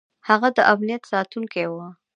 هغه د امنیت ساتونکی و.